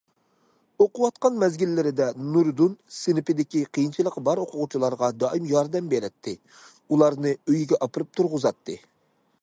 ئوقۇۋاتقان مەزگىللىرىدە نۇردۇن سىنىپىدىكى قىيىنچىلىقى بار ئوقۇغۇچىلارغا دائىم ياردەم بېرەتتى، ئۇلارنى ئۆيىگە ئاپىرىپ تۇرغۇزاتتى.